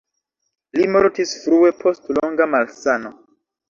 Li mortis frue post longa malsano.